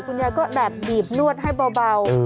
คุณยายก็แบบบีบนวดให้เบา